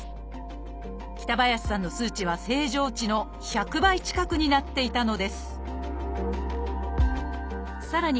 北林さんの数値は正常値の１００倍近くになっていたのですさらに